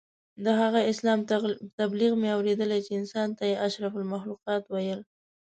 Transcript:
د هغه اسلام تبلیغ مې اورېدلی چې انسان ته یې اشرف المخلوقات ویل.